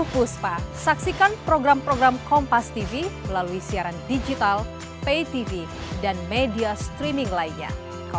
bisa maju kita panggil bapak sama bapak